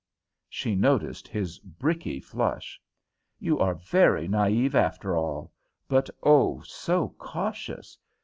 She noticed his bricky flush. "You are very naive, after all, but, oh, so cautious!